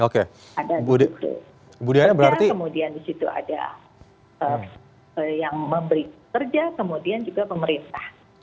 kemudian disitu ada yang memberi kerja kemudian juga pemerintah